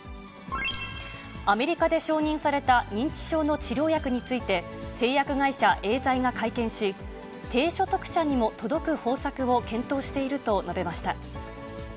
アメリカで承認された認知症の治療薬について、製薬会社、エーザイが会見し、低所得者にも届く方策を検討していると述べました。